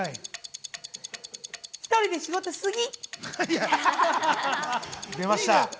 １人で仕事しすぎ！